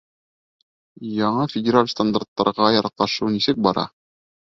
— Яңы федераль стандарттарға яраҡлашыу нисек бара?